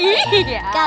ambil dah burung